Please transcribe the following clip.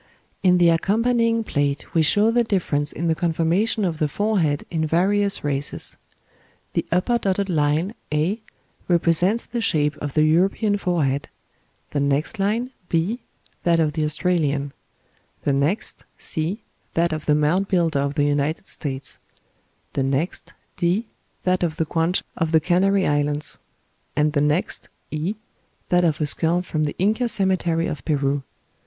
In the accompanying plate we show the difference in the conformation of the forehead in various races. The upper dotted line, A, represents the shape of the European forehead; the next line, B, that of the Australian; the next, C, that of the Mound Builder of the United States; the next, D, that of the Guanche of the Canary Islands; and the next, E, that of a skull from the Inca cemetery of Peru.